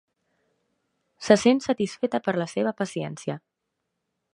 Se sent satisfeta per la seva paciència.